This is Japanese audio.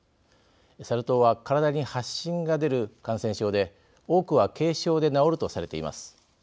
サル痘は体に発疹が出る感染症で多くは軽症で治るとされています。